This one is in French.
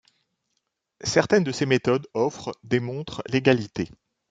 Certaines de ces méthodes offrent démontrent l'égalité.